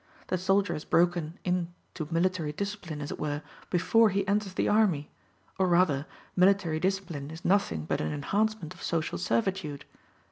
The soldier is broken in to military discipline, as it were, before he enters the army; or rather, military discipline is nothing but an enhancement of social servitude.